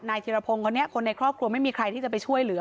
ธิรพงศ์คนนี้คนในครอบครัวไม่มีใครที่จะไปช่วยเหลือ